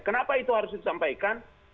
kenapa itu harus disampaikan